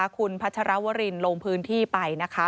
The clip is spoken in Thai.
คุณพัชรวรินลงพื้นที่ไปนะคะ